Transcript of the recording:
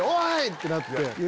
ってなって。